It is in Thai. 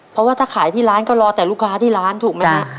เพราะว่าถ้าขายที่ร้านก็รอแต่ลูกค้าที่ร้านถูกไหมฮะ